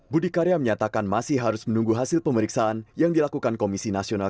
budi karya menyatakan masih harus menunggu hasil pemeriksaan yang dilakukan komisi nasional